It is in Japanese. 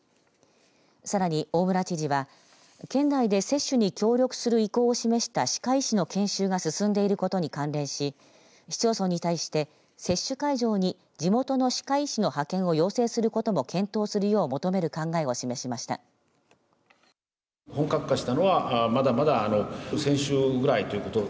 さらに、大村知事は県内で接種に協力する意向を示した歯科医師の研修が進んでいることに関連し市町村に対して、接種会場に地元の歯科医師の派遣を要請することも検討するよう求める考えを示しました。